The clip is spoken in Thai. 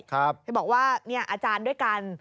เธอบอกว่าอาจารย์ด้วยกัน